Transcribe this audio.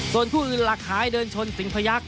ส่วนคู่หลักหายเดินชนสิงพะยักษ์